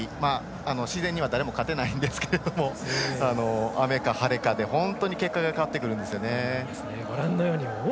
自然には誰も勝てないんですけれども雨か晴れかで本当に結果が変わってくるんですね。